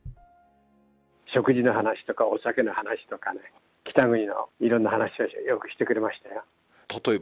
食事の話とか、お酒の話とかね、北国のいろんな話をよくしてくれましたよ。